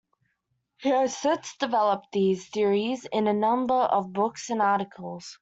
He has since developed these theories in a number of books and articles.